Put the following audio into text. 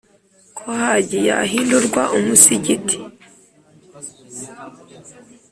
ko Hagi yahindurwa umusigiti.